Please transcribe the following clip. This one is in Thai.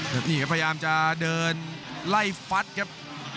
แล้วนี่ครับพยายามจะเดินไล่ฟัดครับ